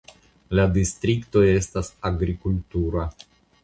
La distrikto estas agrikultura.